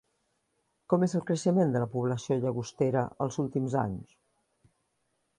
Com és el creixement de la població Llagostera els últims anys?